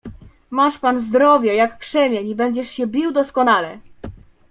"Masz pan zdrowie, jak krzemień, i będziesz się bił doskonale."